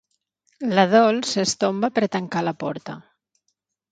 La Dols es tomba per tancar la porta.